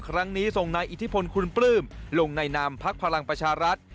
ครั้งนี้ส่งนายอิทธิพลคุณปลื้มลงในนามพักพลังประชารัฐ